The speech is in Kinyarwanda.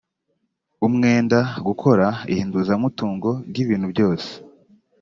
umwenda gukora ihinduzamutungo ry ibintu byose